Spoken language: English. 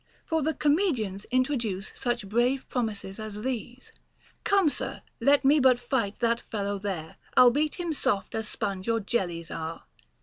* For the comedians introduce such brave promises as these : Come, sir, let me but fight that fellow there ; I'll beat him soft as sponge or jellies are.